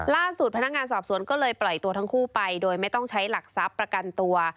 ล่าสุดพนักงานสอบสวนก็เลยปล่อยตัวทั้งคู่ไปโดยไม่ต้องใช้หลักทรัพย์ประกันตัว